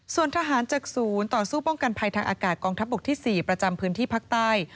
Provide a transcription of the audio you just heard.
ส่วนทหารจากศูนย์ต่อสู้ป้องกันภัยทางอากาศกองทัพบกที่๔ประจำพื้นที่ภาคใต้